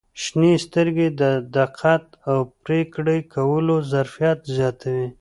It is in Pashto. • شنې سترګې د دقت او پرېکړې کولو ظرفیت زیاتوي.